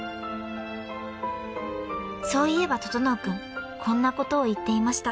［そういえば整君こんなことを言っていました］